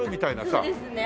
あっそうですね！